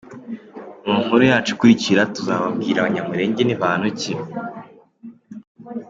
Mu nkuru yacu ikurikira tuzababwira abanyamulenge ni bantu ki?